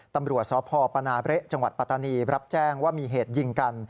ตำรวจสพปนาเละจังหวัดปัตตานีรับแจ้งว่ามีเหตุยิงกัน